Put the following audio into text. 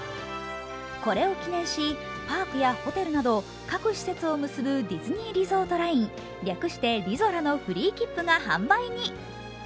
これを記念し、パークやホテルなど核施設を結ぶディズニーリゾートライン、略してリゾラのフリーきっぷが販売に。